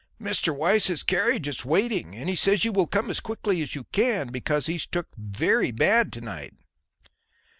"Mr. Weiss's carriage is waiting, and he says will you come as quickly as you can because he's took very bad to night."